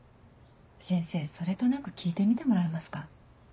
先生それとなく聞いてみてもらえますか？